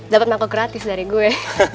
dapet mako gratis dari gue